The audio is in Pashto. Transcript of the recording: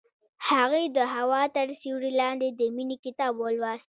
هغې د هوا تر سیوري لاندې د مینې کتاب ولوست.